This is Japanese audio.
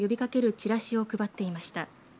チラシを配っていました。